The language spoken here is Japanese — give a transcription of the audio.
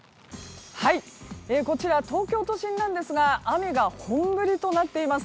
こちら東京都心なんですが雨が本降りとなっています。